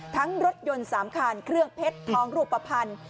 ทั้งรถยนต์สามคันเครื่องเพชรท้องรูปภัณฑ์